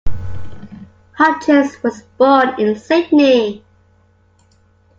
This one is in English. Hutchins was born in Sydney.